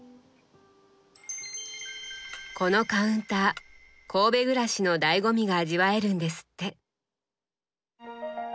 このカウンター神戸暮らしのだいご味が味わえるんですって。